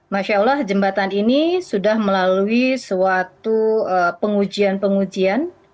masya allah jembatan ini sudah melalui suatu pengujian pengujian